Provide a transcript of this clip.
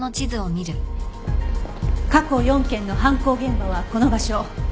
過去４件の犯行現場はこの場所。